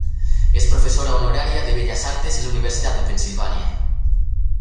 Es profesora honoraria de Bellas Artes en la Universidad de Pensilvania.